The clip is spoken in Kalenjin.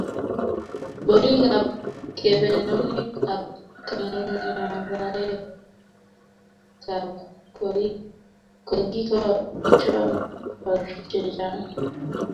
Bolikap kebenonik ak chemungaraekab koik kokikoch or chechang